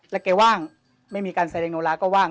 แล้วแกว่างไม่มีการแสดงโนลาก็ว่าง